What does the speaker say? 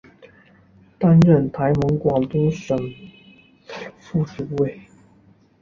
担任台盟广东省副主委。